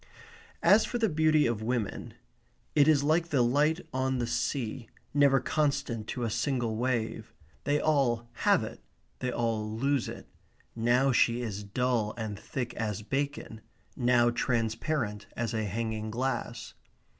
As for the beauty of women, it is like the light on the sea, never constant to a single wave. They all have it; they all lose it. Now she is dull and thick as bacon; now transparent as a hanging glass.